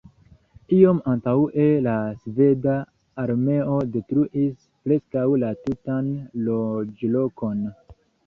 Iom antaŭe la sveda armeo detruis preskaŭ la tutan loĝlokon.